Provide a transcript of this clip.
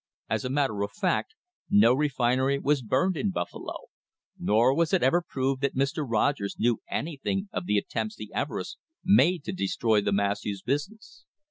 As a matter of fact, no refinery was burned in Buffalo, nor was it ever proved that Mr. Rogers knew any thing of the attempts the Everests made to destroy Matthews's business.